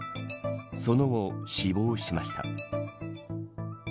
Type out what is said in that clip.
その後、死亡しました。